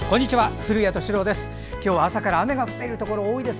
古谷敏郎です。